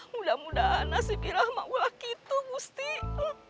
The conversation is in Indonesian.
mudah mudahan nasibnya makulah begitu bustin